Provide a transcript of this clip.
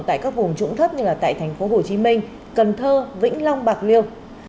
tại các vùng trụng thấp như là tại thành phố hồ chí minh cần thơ vĩnh long bạc liêu